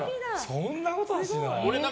そんなことはしないな。